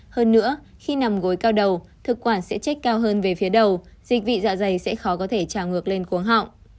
hơn nữa khi nằm gối cao đầu thực quản sẽ chết cao hơn về phía đầu dịch vị dạ dày sẽ khó có thể trào ngược lên quống họng